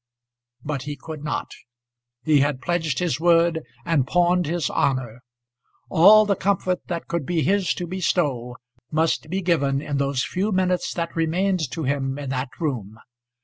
But he could not. He had pledged his word and pawned his honour. All the comfort that could be his to bestow must be given in those few minutes that remained to him in that room.